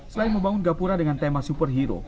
selain membangun gapura dengan tema superhero